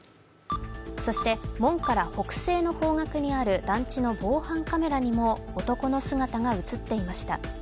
そして門から北西の方角にある団地の防犯カメラにも男の姿が映っていました。